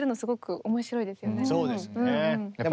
そうですね。